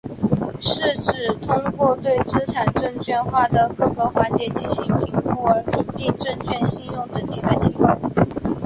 是指通过对资产证券化的各个环节进行评估而评定证券信用等级的机构。